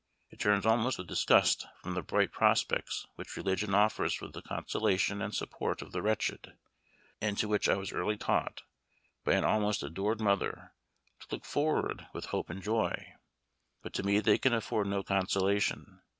It turns almost with disgust from the bright prospects which religion offers for the consolation and support of the wretched, and to which I was early taught, by an almost adored mother, to look forward with hope and joy; but to me they can afford no consolation.